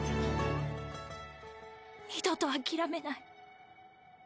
二度と諦めない。